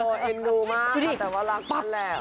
โอ้โฮเอ็นดูมากครับแต่ว่ารักมันแหละ